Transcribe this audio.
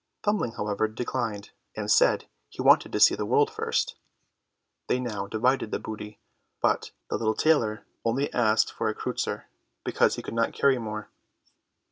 Thumbling, however, declined, and said he wanted to see the world first. They now divided the booty, but the little tailor only asked for a kreuzer because he could not carry more.